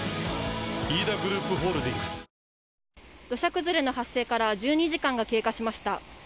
土砂崩れの発生から１２時間が経過しました。